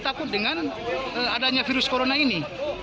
takut dengan adanya virus corona ini